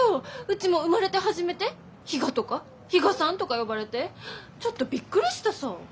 うちも生まれて初めて「比嘉」とか「比嘉さん」とか呼ばれてちょっとびっくりしたさ。